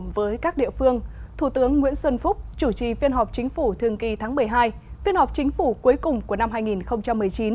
với các địa phương thủ tướng nguyễn xuân phúc chủ trì phiên họp chính phủ thường kỳ tháng một mươi hai phiên họp chính phủ cuối cùng của năm hai nghìn một mươi chín